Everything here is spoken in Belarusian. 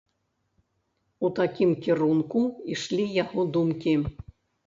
У такім кірунку ішлі яго думкі.